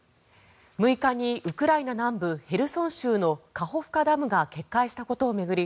６日にウクライナ南部へルソン州のカホフカダムが決壊したことを巡り